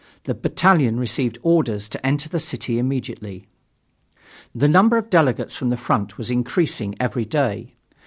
The battalion received orders to enter the city immediately. The number of delegates from the front was increasing every day.